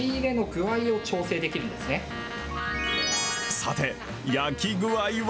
さて、焼き具合は？